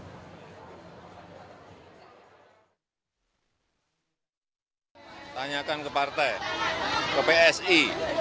jokowi menyebut tanyakan ke partai atau ke psi